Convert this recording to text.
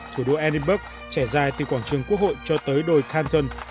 thủ đô edinburgh trẻ dài từ quảng trường quốc hội cho tới đồi canton